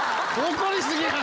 怒り過ぎや！